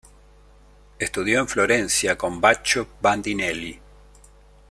Estudió en Florencia con Baccio Bandinelli.